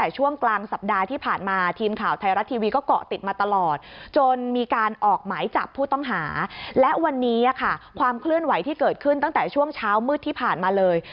จับผู้ต้องหาและวันนี้ค่ะความเคลื่อนไหวที่เกิดขึ้นตั้งแต่ช่วงเช้ามืดที่ผ่านมาเลย